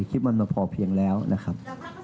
คิดว่ามันพอเพียงแล้วนะครับ